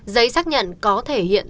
giấy xác nhận có thể hiện